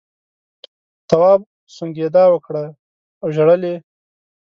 تواب سونگېدا وکړه او ژړل یې.